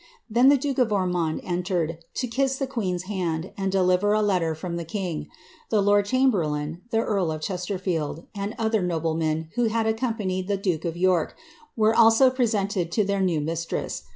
Then the duke of Ormood entered, to kiss the queen's hand, and deliver a letter from the king. The lord chamberlain, the earl of Chesterfield, and other noblemen who bad accompanied the duke of York, were also presented to their new mis tress.